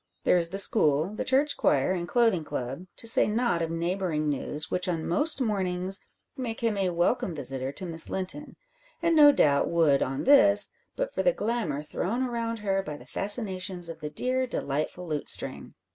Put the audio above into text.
There is the school, the church choir, and clothing club, to say nought of neighbouring news, which on most mornings make him a welcome visitor to Miss Linton; and no doubt would on this, but for the glamour thrown around her by the fascinations of the dear delightful Lutestring.